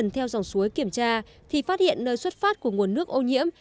theo dòng suối kiểm tra thì phát hiện nơi xuất phát của nguồn nước ô nhiễm